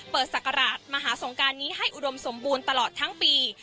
เปิดสักกราศมหาสงครานนี้ให้อุดมสมบูรณ์ตลอดทั้งปี